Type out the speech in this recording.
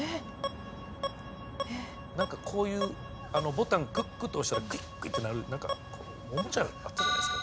何かこういうボタンクックと押したらクイックイッてなるおもちゃあったじゃないですか。